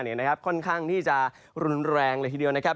เนี้ยนะครับค่อนข้างที่จะรุนแรงเลยทีเดียวนะครับ